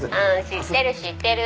「知ってる知ってる」